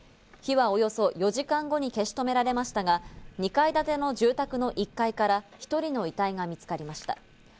火はおよそ４時間後に消し止められましたが、２階建ての住宅の１階から１人の遺体が見つかりました。